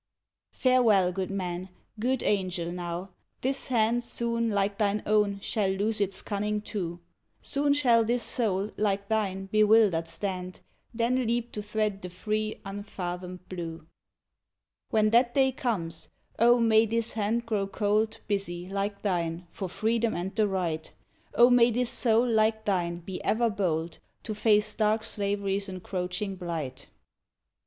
Farewell! good man, good angel now! this hand Soon, like thine own, shall lose its cunning, too; Soon shall this soul, like thine, bewildered stand, Then leap to thread the free, unfathomed blue: When that day comes, O, may this hand grow cold, Busy, like thine, for Freedom and the Right; O, may this soul, like thine, be ever bold To face dark Slavery's encroaching blight!